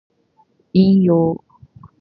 引用